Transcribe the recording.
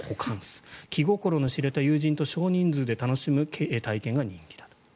気心の知れた友人と少人数で楽しむ体験が人気だと。